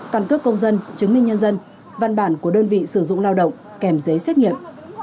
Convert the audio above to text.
căn cước công dân chứng minh nhân dân văn bản của đơn vị sử dụng lao động kèm giấy xét nghiệm